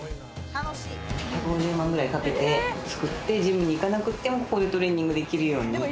１５０万くらいかけて作ってジムに行かなくても、ここでトレーニングできるように。